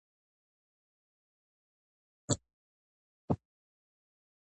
د مېلو له برکته خلک د خپلو کلتوري دودونو ساتنه کوي.